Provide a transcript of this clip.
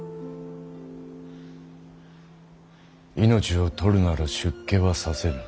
命を取るなら出家はさせぬ。